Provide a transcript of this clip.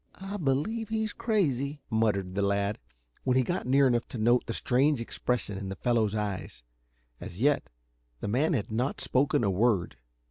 "I believe he's crazy," muttered the lad, when he got near enough to note the strange expression in the fellow's eyes. As yet, the man had not spoken a word.